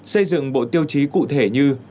xây dựng bộ tiêu chí cụ thể như